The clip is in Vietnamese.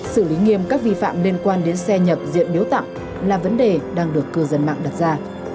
xử lý nghiêm các vi phạm liên quan đến xe nhập diện biếu tặng là vấn đề đang được cư dân mạng đặt ra